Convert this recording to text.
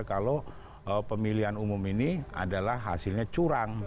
kalau pemilihan umum ini adalah hasilnya curang